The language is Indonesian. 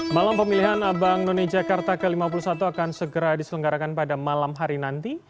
malam pemilihan abang none jakarta ke lima puluh satu akan segera diselenggarakan pada malam hari nanti